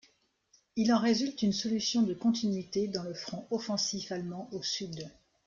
Il en résulte une solution de continuité dans le front offensif allemand au sud.